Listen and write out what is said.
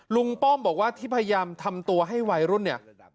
ป้อมบอกว่าที่พยายามทำตัวให้วัยรุ่นเนี่ย